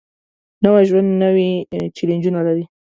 نوی ژوند نوې چیلنجونه لري